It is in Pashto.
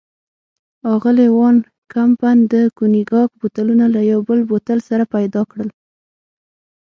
اغلې وان کمپن د کونیګاک بوتلونه له یو بل بوتل سره پيدا کړل.